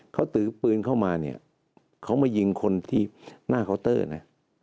เขาถือปืนเข้ามาเนี่ยเขามายิงคนที่หน้าเคาน์เตอร์นะ